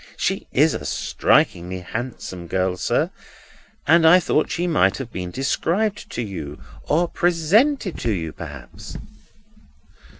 "She is a strikingly handsome girl, sir, and I thought she might have been described to you, or presented to you perhaps?"